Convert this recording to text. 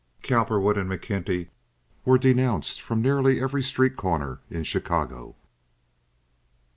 Cowperwood and McKenty were denounced from nearly every street corner in Chicago.